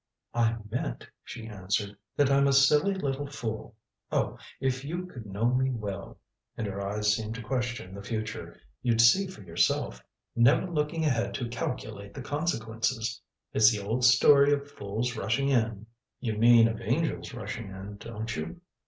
"I meant," she answered, "that I'm a silly little fool. Oh, if you could know me well " and her eyes seemed to question the future "you'd see for yourself. Never looking ahead to calculate the consequences. It's the old story of fools rushing in " "You mean of angels rushing in, don't you?